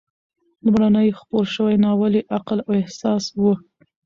لومړنی خپور شوی ناول یې "عقل او احساس" و.